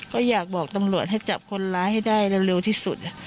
ก็อยากบอกตำรวจให้จับคนร้ายให้ได้เร็วที่สุด